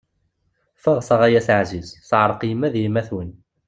Ffɣet-aɣ ay At ɛziz, teɛṛeq yemma d yemmat-wen!